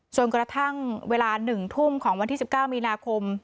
จนกระทั่งเวลา๑ทุ่มของวันที่๑๙มีนาคม